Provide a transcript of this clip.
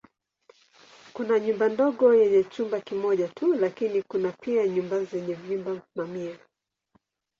Kuna nyumba ndogo yenye chumba kimoja tu lakini kuna pia nyumba zenye vyumba mamia.